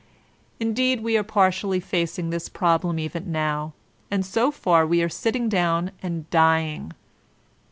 Indeed, we are partially facing this problem even now ; and so far we are sitting down and dying.